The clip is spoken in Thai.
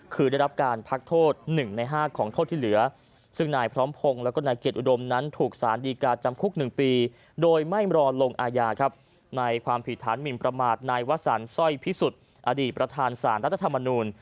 ความผิดทานหมิมประมาทนายวะสันซ่อยพิสุทธิ์อดีตประธานสารรัฐธรรมนูญ